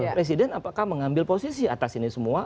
presiden apakah mengambil posisi atas ini semua